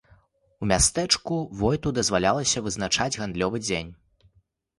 У мястэчку войту дазвалялася вызначаць гандлёвы дзень.